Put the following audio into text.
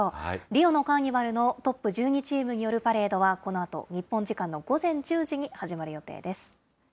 リオのカーニバルのトップ１２チームによるパレードは、このあと、日本時間の午前１０時に始まる予定です。